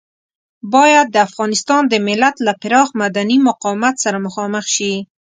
بايد د افغانستان د ملت له پراخ مدني مقاومت سره مخامخ شي.